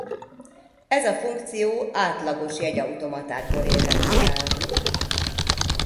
Ez a funkció átlagos jegy automatákból érhető el.